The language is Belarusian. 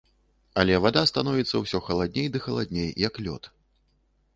Але вада становіцца ўсё халадней ды халадней, як лёд.